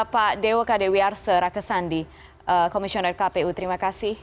pak dewo kd wiyarsa rakesandi komisioner kpu terima kasih